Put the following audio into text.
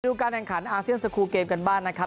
เดี่ยวกันการกินการอาเซียงสกูลเกมกับเบ้านะครับ